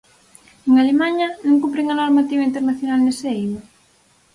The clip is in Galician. ¿En Alemaña non cumpren a normativa internacional nese eido?